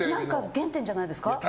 原点じゃないですか。